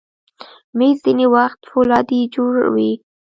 مېز ځینې وخت فولادي جوړ وي.